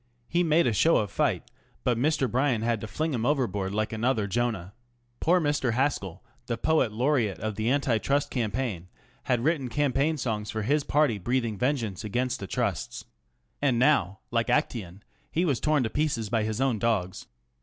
He made a show of fight, but Mr. Bryan had tolling him overboard like another Jonah. Poor Mr. Haskell, the Poet Laureate of the Anti Trust campaign, had written campaign songs for his party breathing vengeance against the Trusts. And now, like Actxon, he was torn to pieces by his own dogs.